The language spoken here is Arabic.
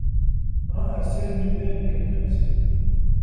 رأى سامي ذلك المنزل.